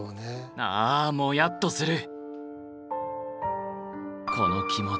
ああもやっとする！